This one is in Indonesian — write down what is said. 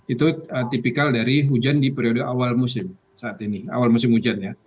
itu tipikal dari hujan di periode awal musim saat ini awal musim hujan ya